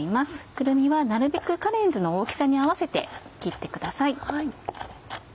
くるみはなるべくカレンズの大きさに合わせて切ってください。